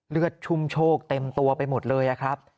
เลือดชุ่มโชคเต็มตัวไปหมดเลยนะครับ